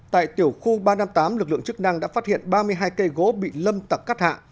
tại tiểu khu ba trăm năm mươi tám lực lượng chức năng đã phát hiện ba mươi hai cây gỗ bị lâm tặc cắt hạ